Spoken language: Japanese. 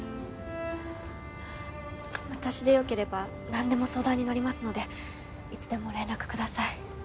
私でよければ何でも相談に乗りますのでいつでも連絡ください